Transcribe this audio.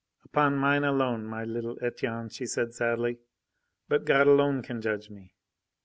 "Upon mine alone, my little Etienne," she said sadly. "But God alone can judge me.